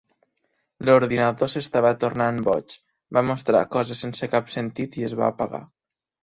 L'ordinador s'estava tornant boig, va mostrar coses sense cap sentit i es va apagar.